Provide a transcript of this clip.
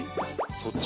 そっち？